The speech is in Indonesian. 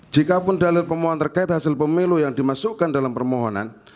jikapun dalil pemohon terkait hasil pemilu yang dimasukkan dalam permohonan